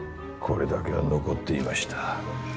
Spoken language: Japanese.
これだけは残っていました